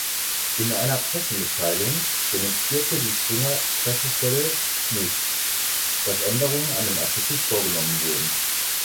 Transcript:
In einer Pressemitteilung dementierte die Springer-Pressestelle nicht, dass Änderungen an dem Artikel vorgenommen wurden.